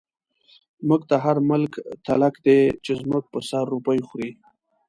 موږ ته هر ملک تلک دی، چی زموږ په سر روپۍ خوری